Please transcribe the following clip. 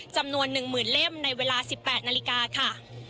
จำนวน๑๐๐๐เล่มในเวลา๑๘นาฬิกาค่ะ